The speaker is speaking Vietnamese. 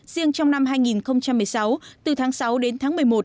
riêng trong năm hai nghìn một mươi sáu từ tháng sáu đến tháng một mươi một